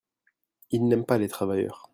Ils n’aiment pas les travailleurs.